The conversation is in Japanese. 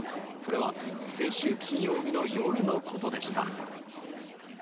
それは、先週金曜日の夜のことでした。